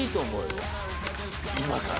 今から？